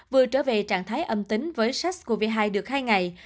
vừa trở về trạng thái âm tính với sars cov hai được hai ngày